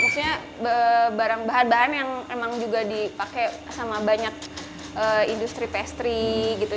maksudnya barang bahan bahan yang emang juga dipakai sama banyak industri pastry gitu